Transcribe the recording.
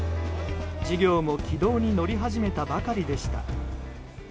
事業も軌道に乗り始めたばかりでした。